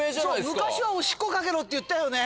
昔はおしっこかけろっていったよね。